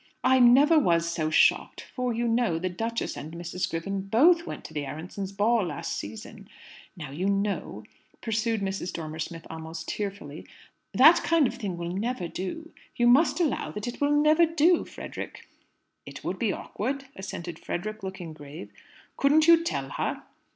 I never was so shocked; for, you know, the duchess and Mrs. Griffin both went to the Aaronssohns' ball last season. Now you know," pursued Mrs. Dormer Smith almost tearfully, "that kind of thing will never do. You must allow that it will never do, Frederick." "It would be awkward," assented Frederick, looking grave. "Couldn't you tell her?"